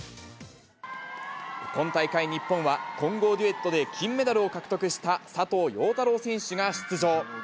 今大会、日本は混合デュエットで金メダルを獲得した、佐藤陽太郎選手が出場。